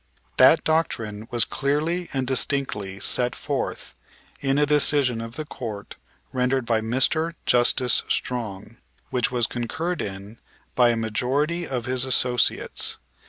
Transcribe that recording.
That doctrine was clearly and distinctly set forth in a decision of the Court rendered by Mr. Justice Strong, which was concurred in by a majority of his associates.